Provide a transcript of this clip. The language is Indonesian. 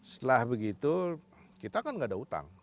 setelah begitu kita kan nggak ada utang